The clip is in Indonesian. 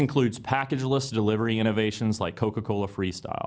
ini termasuk inovasi untuk penggunaan tanpa paket seperti coca cola freestyle